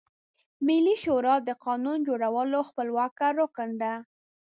ملي شورا د قانون جوړولو خپلواکه رکن ده.